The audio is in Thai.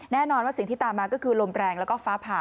แน่นอนว่าสิ่งที่ตามมาก็คือลมแรงแล้วก็ฟ้าผ่า